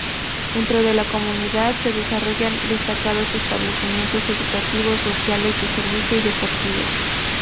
Dentro de la comunidad se desarrollan destacados establecimientos educativos, sociales, de servicios y deportivos.